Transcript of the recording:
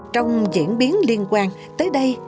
trong diễn biến liên quan tới đây